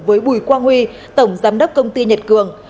với bùi quang huy tổng giám đốc công ty nhật cường